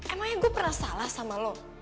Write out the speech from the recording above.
emangnya gue pernah salah sama lo